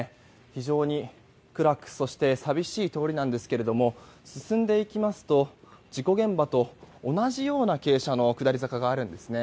非常に暗くそして寂しい通りなんですが進んでいきますと事故現場と同じような傾斜の下り坂があるんですね。